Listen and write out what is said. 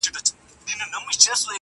خو په ونه کي تر دوی دواړو کوچنی یم؛